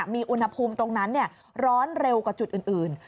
มีอุณหภูมิตรงนั้นร้อนเร็วกว่าจุดอื่น